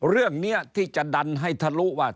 เรื่องนี้ที่จะดันให้ทะลุว่า